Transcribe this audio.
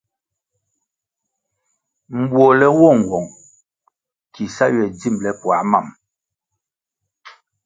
Mbuole nwo nwong ki sa ywe dzimbele puah mam.